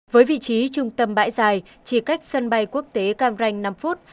với vị trí trung tâm bãi dài chỉ cách sân bay quốc tế cam ranh năm phút